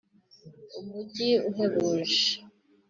umujyi uhebuje